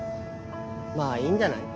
まあいいんじゃない？